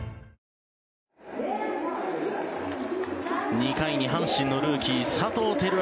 ２回に阪神のルーキー佐藤輝明